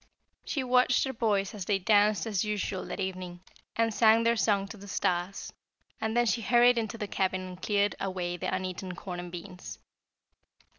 She watched her boys as they danced as usual that evening and sang their song to the stars; and then she hurried into the cabin and cleared away the uneaten corn and beans.